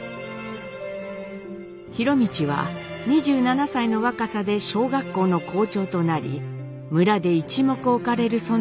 博通は２７歳の若さで小学校の校長となり村で一目置かれる存在になります。